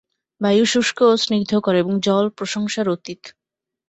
বায়ু শুষ্ক ও স্নিগ্ধকর, এবং জল প্রশংসার অতীত।